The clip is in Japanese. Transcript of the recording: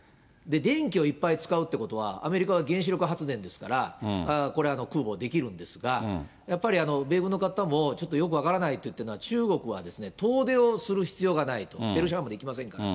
電気をいっぱい使うってことは、アメリカは原子力発電ですから、これは空母できるんですが、やっぱり米軍の方もちょっとよく分からないといってるのが、中国は遠出をする必要がないと、ペルシャ湾まで行きませんから。